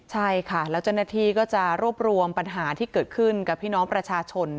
ใช่ค่ะแล้วเจ้าหน้าที่ก็จะรวบรวมปัญหาที่เกิดขึ้นกับพี่น้องประชาชน